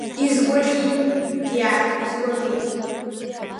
Изгәаӷьит, диа, изгәаӷьит!